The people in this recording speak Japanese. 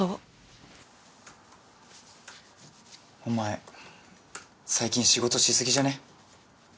お前最近仕事し過ぎじゃね？